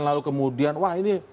lalu kemudian wah ini